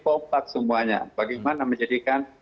kompak semuanya bagaimana menjadikan